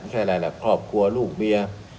ไม่ใช่อะไรครอบครัวลูกเมีย